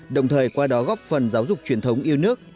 đồng thời qua đó góp phần giáo dục truyền thống yêu nước